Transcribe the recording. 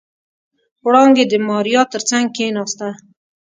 وړانګې د ماريا تر څنګ کېناسته.